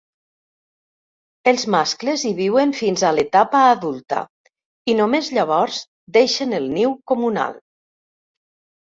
Els mascles hi viuen fins a l'etapa d'adulta i només llavors deixen el niu comunal.